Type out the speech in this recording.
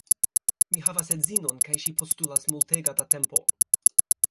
Mi havas edzinon kaj ŝi postulas multega da tempo